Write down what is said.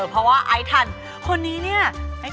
เพราะว่าไอซ์ทันคนนี้เนี่ย